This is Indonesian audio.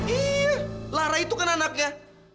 iya lara itu kan anaknya